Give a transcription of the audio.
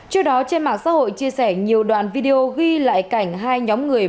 trước đó trên mạng xã hội chia sẻ nhiều đoạn video ghi lại cảnh hai nhóm người